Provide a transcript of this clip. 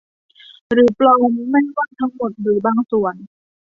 หรือปลอมไม่ว่าทั้งหมดหรือบางส่วน